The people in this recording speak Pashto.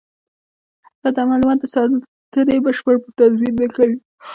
دا د معلوماتو د ساتنې بشپړ تضمین نه کوي.